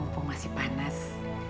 walaupun masih panas